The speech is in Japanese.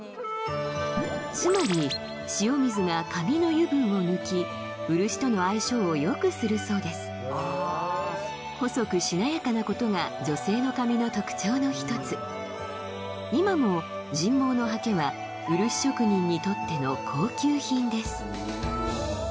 つまり塩水が髪の油分を抜き漆との相性をよくするそうです細くしなやかなことが女性の髪の特徴の一つ今も人毛の刷毛は漆職人にとっての高級品です